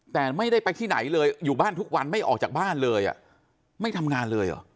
แต่ไม่ได้ไปที่ไหนเลยอยู่บ้านทุกวันไม่ออกจากบ้านเลยไม่ทำงานเลยเหรอ